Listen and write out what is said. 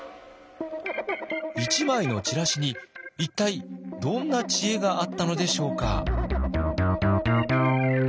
１枚のチラシに一体どんな知恵があったのでしょうか？